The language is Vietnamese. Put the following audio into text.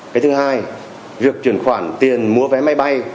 cái thứ hai việc chuyển khoản tiền mua vé máy bay